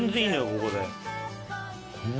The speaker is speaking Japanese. ここで。